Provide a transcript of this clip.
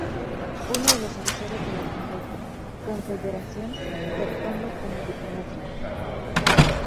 Fue uno de los asesores de la Confederación, que actuando como diplomático.